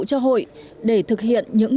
cho hội để thực hiện những